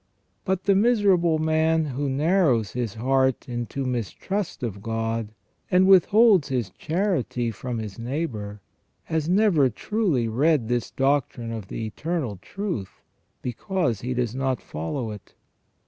" But the miserable man who narrows his heart into mistrust of God, and withholds his charity from his neighbour, has never truly read this doctrine of the Eternal Truth, because he does not follow it.